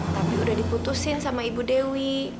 tapi udah diputusin sama ibu dewi